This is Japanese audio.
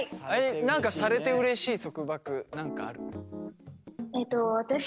何かされてうれしい束縛何かある？